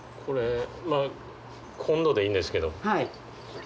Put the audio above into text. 今度でいいんですけど何かね